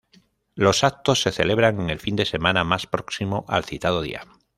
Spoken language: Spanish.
Los actos se celebran el fin de semana más próximo al citado día.